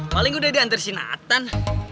paling gue udah diantar si natan